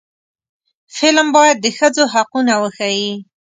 فلم باید د ښځو حقونه وښيي